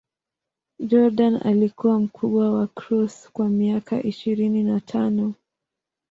Jordan alikuwa mkubwa wa Cross kwa miaka ishirini na tano.